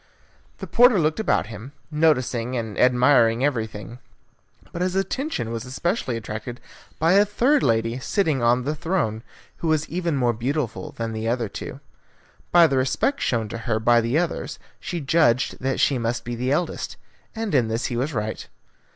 The porter looked about him, noticing and admiring everything; but his attention was specially attracted by a third lady sitting on the throne, who was even more beautiful than the other two. By the respect shown to her by the others, he judged that she must be the eldest, and in this he was right.